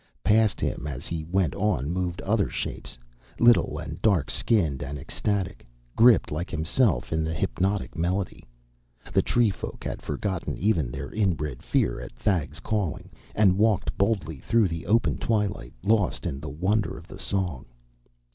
Past him as he went on moved other shapes, little and dark skinned and ecstatic, gripped like himself in the hypnotic melody. The tree folk had forgotten even their inbred fear at Thag's calling, and walked boldly through the open twilight, lost in the wonder of the song.